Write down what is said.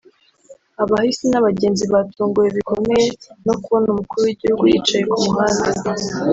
Abahisi n’abagenzi batunguwe bikomeye no kubona Umukuru w’Igihugu yicaye ku muhanda